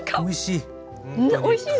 おいしい！